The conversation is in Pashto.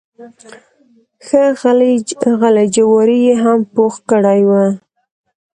ښه غلي جواري یې هم پوخ کړی و.